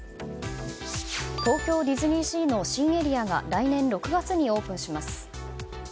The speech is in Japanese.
東京ディズニーシーの新エリアが来年６月にオープンします。